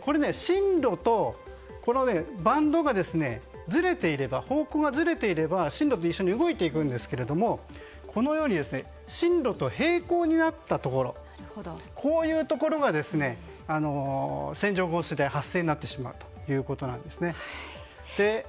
これ、進路とバンドの方向がずれていれば進路と一緒に動いていくんですが進路と並行になったところこういうところで線状降水帯が発生するということです。